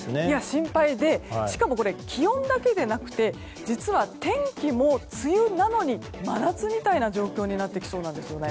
心配でしかも気温だけではなくて天気も梅雨なのに真夏みたいな状況になってきそうなんですね。